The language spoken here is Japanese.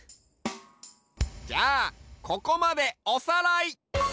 じゃあここまでおさらい！